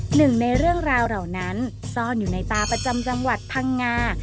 หนึ่งในเรื่องราวเหล่านั้นซ่อนอยู่ในตาประจำจังหวัดพังงา